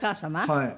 はい。